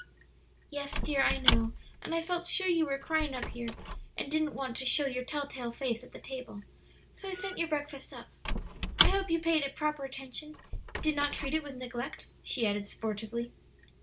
"Yes, dear, I know; and I felt sure you were crying up here and didn't want to show your tell tale face at the table, so I sent your breakfast up. I hope you paid it proper attention did not treat it with neglect?" she added sportively.